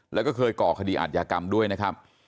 และเกลียดขดีอัตยากรรมด้วยนะคราบ